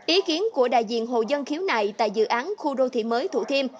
ý kiến của đại diện hồ dân khiếu nại tại dự án khu đô thị mới thủ thiêm